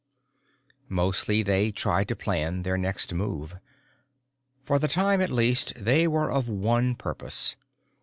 _ Mostly they tried to plan their next move. For the time, at least, they were of one purpose.